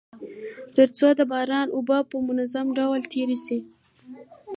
تر څو د باران اوبه په منظم ډول تيري سي.